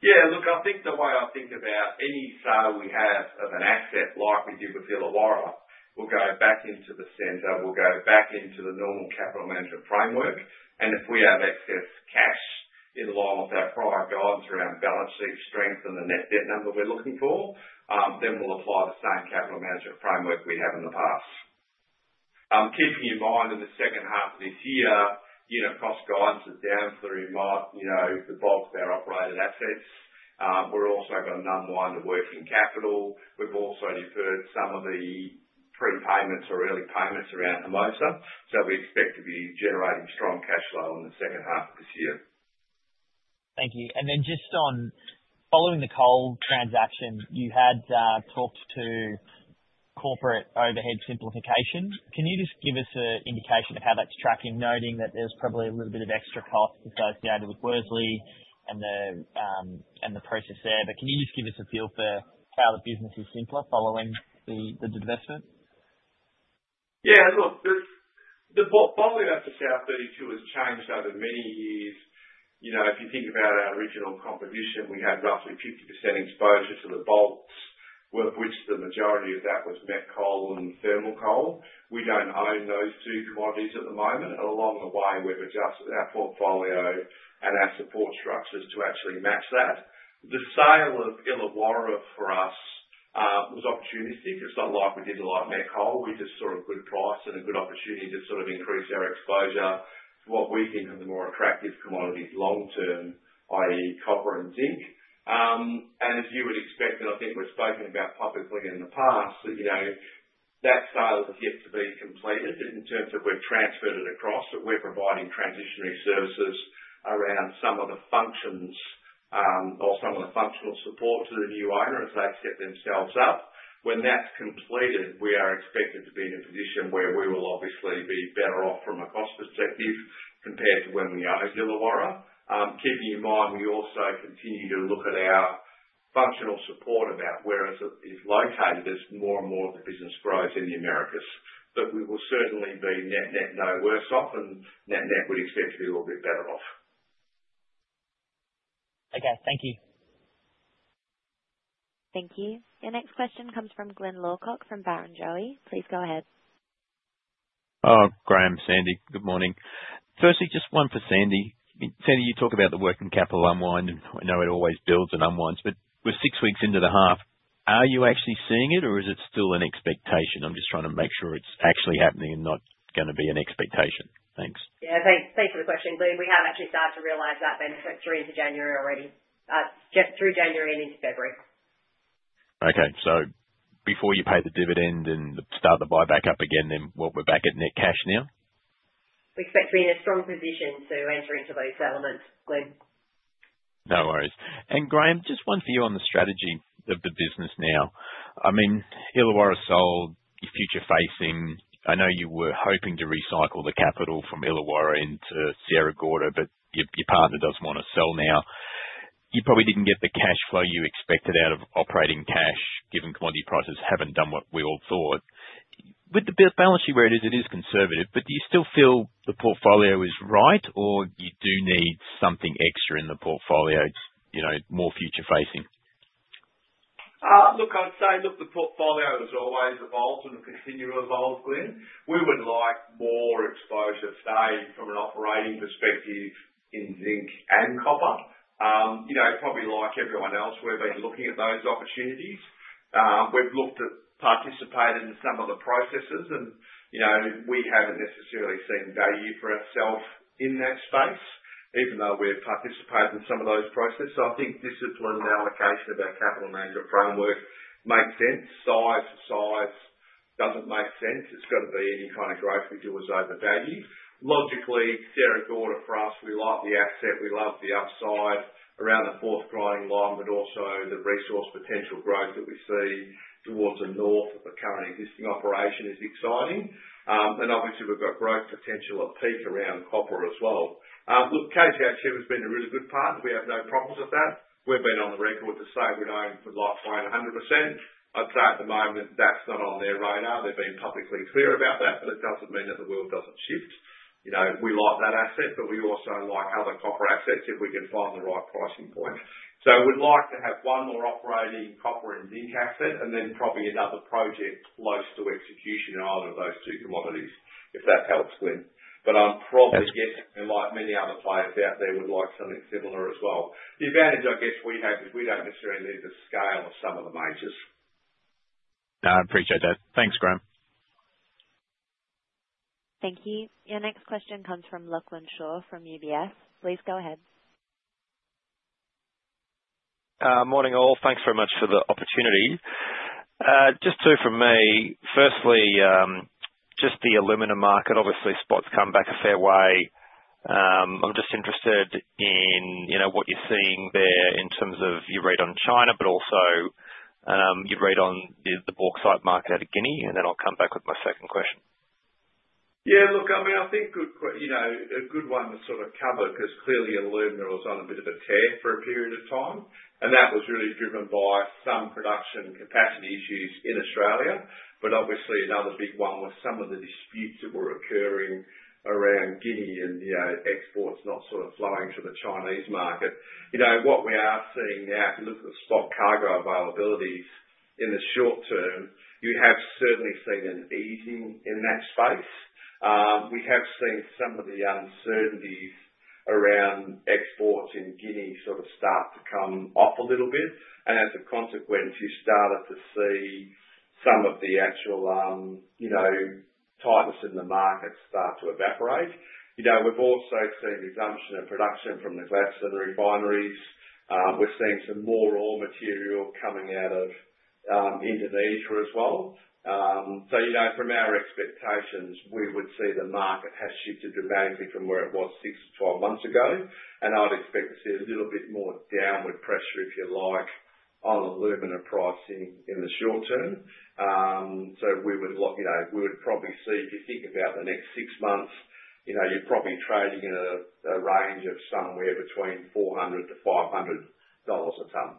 Yeah. Look, I think the way I think about any sale we have of an asset like we do with the Illawarra will go back into the center. We'll go back into the normal capital management framework. And if we have excess cash in line with our prior guidance around balance sheet strength and the net debt number we're looking for, then we'll apply the same capital management framework we have in the past. Keeping in mind in the second half of this year, cost guidance is down for the bulk of our operated assets. We've also got an unwind of working capital. We've also deferred some of the prepayments or early payments around Hermosa. So, we expect to be generating strong cash flow in the second half of this year. Thank you. And then just following the coal transaction, you had talked to corporate overhead simplification. Can you just give us an indication of how that's tracking, noting that there's probably a little bit of extra cost associated with Worsley and the process there? But can you just give us a feel for how the business is simpler following the divestment? Yeah. Look, the bottom line is South32 has changed over many years. If you think about our original composition, we had roughly 50% exposure to coal, of which the majority of that was met coal and thermal coal. We don't own those two commodities at the moment. Along the way, we've adjusted our portfolio and our support structures to actually match that. The sale of Illawarra for us was opportunistic. It's not like we did a lot of met coal. We just saw a good price and a good opportunity to sort of increase our exposure to what we think are the more attractive commodities long term, i.e., copper and zinc. As you would expect, and I think we've spoken about publicly in the past, that sale has yet to be completed in terms of we've transferred it across, but we're providing transitional services around some of the functions or some of the functional support to the new owner as they set themselves up. When that's completed, we are expected to be in a position where we will obviously be better off from a cost perspective compared to when we owned Illawarra. Keeping in mind, we also continue to look at our functional support about where it is located as more and more of the business grows in the Americas. But we will certainly be net net no worse off, and net net we'd expect to be a little bit better off. Okay. Thank you. Thank you. Your next question comes from Glyn Lawcock from Barrenjoey. Please go ahead. Graham, Sandy, good morning. Firstly, just one for Sandy. Sandy, you talk about the working capital unwind, and I know it always builds and unwinds. But we're six weeks into the half, are you actually seeing it, or is it still an expectation? I'm just trying to make sure it's actually happening and not going to be an expectation. Thanks. Yeah. Thanks for the question. We have actually started to realize that benefit through into January already. Through January and into February. Okay, so before you pay the dividend and start the buyback up again, then we're back at net cash now? We expect to be in a strong position to enter into those elements, Glyn. No worries. And Graham, just one for you on the strategy of the business now. I mean, Illawarra sold, you're future facing. I know you were hoping to recycle the capital from Illawarra into Sierra Gorda, but your partner doesn't want to sell now. You probably didn't get the cash flow you expected out of operating cash, given commodity prices haven't done what we all thought. With the balance sheet where it is, it is conservative, but do you still feel the portfolio is right, or you do need something extra in the portfolio, more future-facing? Look, I'd say look, the portfolio has always evolved and will continue to evolve, Glyn. We would like more exposure, say, from an operating perspective in zinc and copper. Probably like everyone else, we've been looking at those opportunities. We've looked at participating in some of the processes, and we haven't necessarily seen value for ourselves in that space, even though we've participated in some of those processes. So I think discipline and allocation of our capital management framework makes sense. Size for size doesn't make sense. It's got to be any kind of growth we do is over value. Logically, Sierra Gorda for us, we like the asset. We love the upside around the fourth grinding line, but also the resource potential growth that we see towards the north of the current existing operation is exciting, and obviously we've got growth potential at Peake around copper as well. Look, KGHM here has been a really good partner. We have no problems with that. We've been on the record to say we'd like to own 100%. I'd say at the moment, that's not on their radar. They've been publicly clear about that, but it doesn't mean that the world doesn't shift. We like that asset, but we also like other copper assets if we can find the right pricing point. So, we'd like to have one more operating copper and zinc asset and then probably another project close to execution in either of those two commodities, if that helps, Glyn. But I'm probably guessing we're like many other players out there would like something similar as well. The advantage, I guess, we have is we don't necessarily need the scale of some of the majors. I appreciate that. Thanks, Graham. Thank you. Your next question comes from Lachlan Shaw from UBS. Please go ahead. Good morning, all. Thanks very much for the opportunity. Just two from me. Firstly, just the Alumina market, obviously, spots come back a fair way. I'm just interested in what you're seeing there in terms of your read on China, but also your read on the bauxite market in Guinea, and then I'll come back with my second question. Yeah. Look, I mean, I think a good one to sort of cover because clearly, Alumina was on a bit of a tear for a period of time, and that was really driven by some production capacity issues in Australia. But obviously, another big one was some of the disputes that were occurring around Guinea and exports not sort of flowing to the Chinese market. What we are seeing now, if you look at the spot cargo availabilities in the short term, you have certainly seen an easing in that space. We have seen some of the uncertainties around exports in Guinea sort of start to come off a little bit. And as a consequence, you started to see some of the actual tightness in the market start to evaporate. We've also seen resumption of production from the Gladstone refineries. We're seeing some more raw material coming out of Indonesia as well. So, from our expectations, we would say the market has shifted dramatically from where it was 6 to 12 months ago. And I'd expect to see a little bit more downward pressure, if you like, on Alumina pricing in the short term. So, we would probably see, if you think about the next six months, you're probably trading in a range of somewhere between $400-500 a tonne.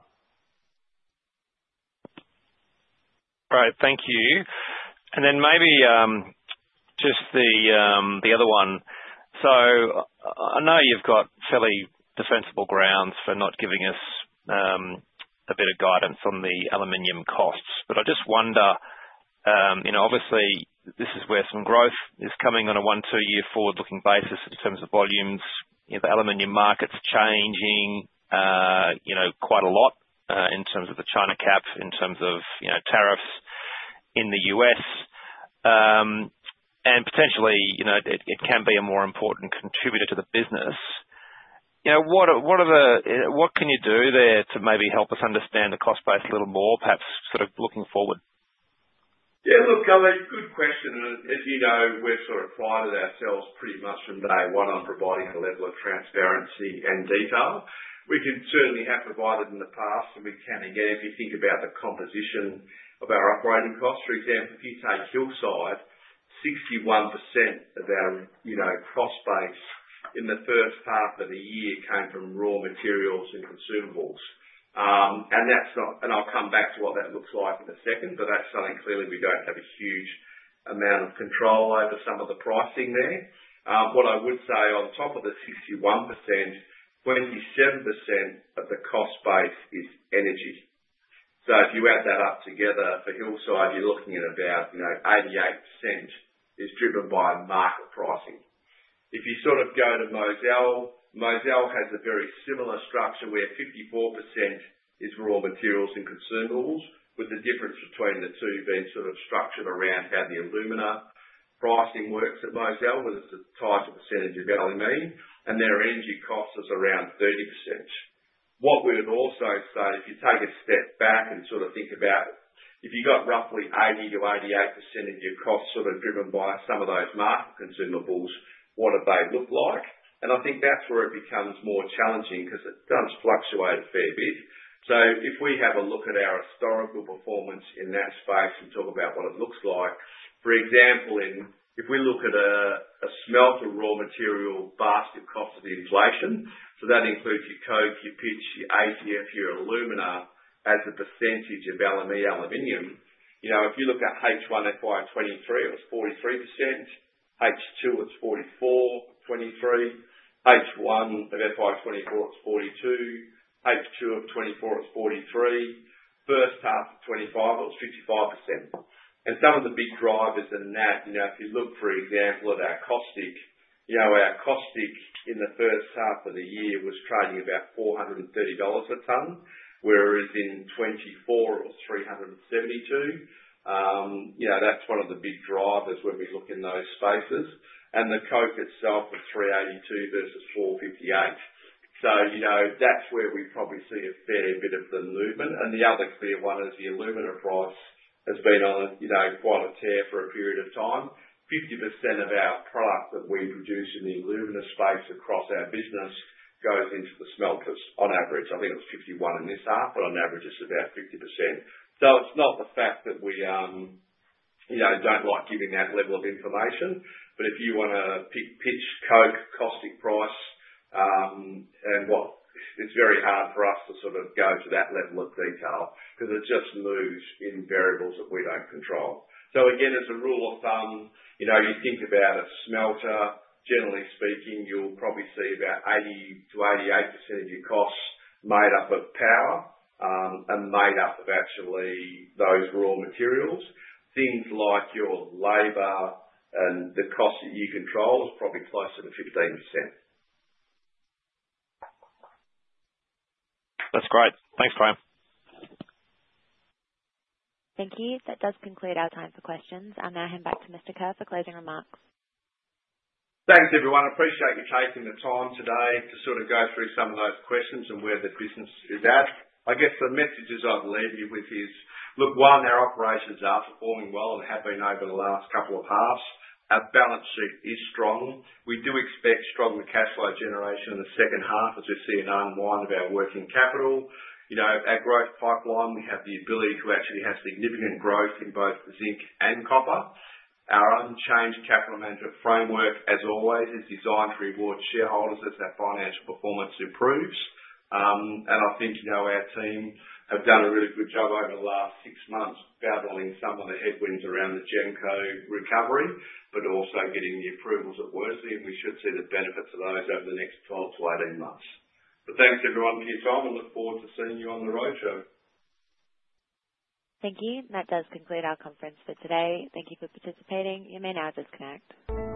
All right. Thank you. And then maybe just the other one. So I know you've got fairly defensible grounds for not giving us a bit of guidance on the aluminium costs, but I just wonder, obviously, this is where some growth is coming on a one-two-year forward-looking basis in terms of volumes. The aluminium market's changing quite a lot in terms of the China cap, in terms of tariffs in the U.S., and potentially, it can be a more important contributor to the business. What can you do there to maybe help us understand the cost base a little more, perhaps sort of looking forward? Yeah. Look, that's a good question. And as you know, we're sort of prided ourselves pretty much from day one on providing a level of transparency and detail. We can certainly have provided in the past, and we can again if you think about the composition of our operating costs. For example, if you take Hillside, 61% of our cost base in the first half of the year came from raw materials and consumables. And I'll come back to what that looks like in a second, but that's something clearly we don't have a huge amount of control over some of the pricing there. What I would say on top of the 61%, 27% of the cost base is energy. So if you add that up together for Hillside, you're looking at about 88% is driven by market pricing. If you sort of go to Mozal, Mozal has a very similar structure where 54% is raw materials and consumables, with the difference between the two being sort of structured around how the Alumina pricing works at Mozal, whether it's a tighter percentage of Alumina, and their energy cost is around 30%. What we would also say, if you take a step back and sort of think about if you've got roughly 80% to 88% of your costs sort of driven by some of those market consumables, what do they look like? And I think that's where it becomes more challenging because it does fluctuate a fair bit. If we have a look at our historical performance in that space and talk about what it looks like, for example, if we look at a smelter raw material basket cost of the inflation, so that includes your coke, your pitch, your AIF, your Alumina as a percentage of aluminium. If you look at H1, FY23, it was 43%. H2, it's 44%; H1 of FY24, it's 42%. H2 of 2024, it's 43%. First half of 2025, it was 55%. And some of the big drivers in that, if you look for example of our caustic, our caustic in the first half of the year was trading about $430 a tonne, whereas in 2024, it was $372. That's one of the big drivers when we look in those spaces. And the coke itself was $382 versus $458. So that's where we probably see a fair bit of the movement. The other clear one is the Alumina price has been on quite a tear for a period of time. 50% of our product that we produce in the Alumina space across our business goes into the smelters on average. I think it was 51% in this half, but on average, it's about 50%. So it's not the fact that we don't like giving that level of information, but if you want to pitch coke, caustic price, and what. It's very hard for us to sort of go to that level of detail because it just moves in variables that we don't control. So again, as a rule of thumb, you think about a smelter, generally speaking, you'll probably see about 80% to 88% of your costs made up of power and made up of actually those raw materials. Things like your labor and the cost that you control is probably closer to 15%. That's great. Thanks, Graham. Thank you. That does conclude our time for questions. I'll now hand back to Mr. Kerr for closing remarks. Thanks, everyone. I appreciate you taking the time today to sort of go through some of those questions and where the business is at. I guess the messages I'd leave you with is, look, one, our operations are performing well and have been over the last couple of halves. Our balance sheet is strong. We do expect stronger cash flow generation in the second half as we see an unwind of our working capital. Our growth pipeline, we have the ability to actually have significant growth in both zinc and copper. Our unchanged capital management framework, as always, is designed to reward shareholders as their financial performance improves, and I think our team have done a really good job over the last six months battling some of the headwinds around the GEMCO recovery, but also getting the approvals that we're seeing. We should see the benefits of those over the next 12-18 months. But thanks, everyone, for your time, and look forward to seeing you on the roadshow. Thank you. That does conclude our conference for today. Thank you for participating. You may now disconnect.